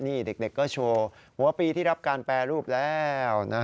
นี่เด็กก็โชว์หัวปีที่รับการแปรรูปแล้ว